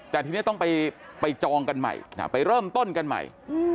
แต่ทีนี้ต้องไปจองกันใหม่ไปเริ่มต้นกันใหม่